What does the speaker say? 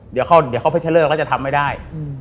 เดี๋ยวเขาไปชะเลิกแล้วจะทำไม่ได้